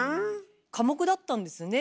科目だったんですね。